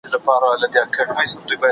زه شمېرې زده کوم.